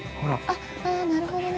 ◆ああ、なるほどね。